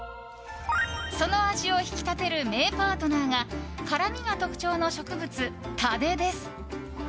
その味を引き立てる名パートナーが辛みが特徴の植物、蓼です。